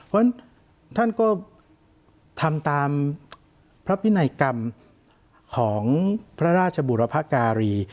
เพราะฉะนั้นท่านก็ทำตามพระพินัยกรรมของพระราชบุรพการี